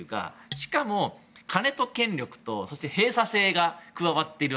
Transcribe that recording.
しかも、金と権力と閉鎖性が加わっている。